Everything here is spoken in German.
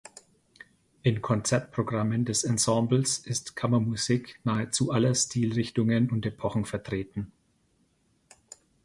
In Konzertprogrammen des Ensembles ist Kammermusik nahezu aller Stilrichtungen und Epochen vertreten.